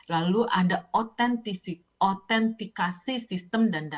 lalu ada otentikasi sistem